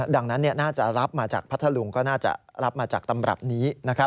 ดังนั้นน่าจะรับมาจากพัทธลุงก็น่าจะรับมาจากตำรับนี้